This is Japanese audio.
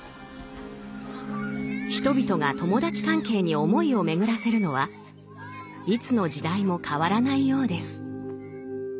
人々が友達関係に思いを巡らせるのはいつの時代も変わらないようです。